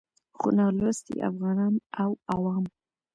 خو نالوستي افغانان او عوام